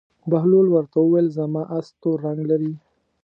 بهلول ورته وویل: زما اس تور رنګ لري.